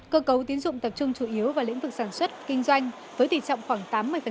cơ cấu tiến dụng tập trung chủ yếu vào lĩnh vực sản xuất kinh doanh với tỷ trọng khoảng tám mươi